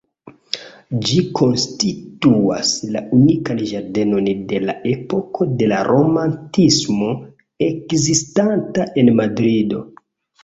Ĝi konstituas la unikan ĝardenon de la epoko de la Romantismo ekzistanta en Madrido.